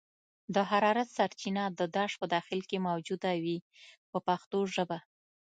د حرارت سرچینه د داش په داخل کې موجوده وي په پښتو ژبه.